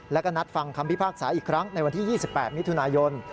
แล้วก็นัดฟังคำพิพากษาอีกครั้งในวันที่๒๘มิถุนายน